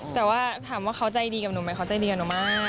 แต่ว่าถามว่าเขาใจดีกับหนูไหมเขาใจดีกับหนูมาก